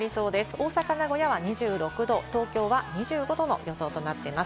大阪、名古屋は２６度、東京は２５度の予想となっています。